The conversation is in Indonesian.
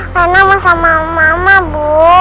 rena mau sama mama bu